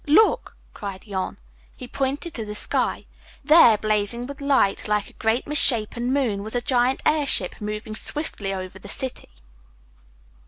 Look!" cried Jan. He pointed to the sky. There, blazing with light, like a great misshapen moon, was a giant airship moving swiftly over the city.